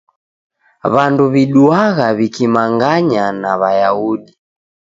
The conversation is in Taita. W'andu w'iduagha w'ikimanganya na W'ayahudi!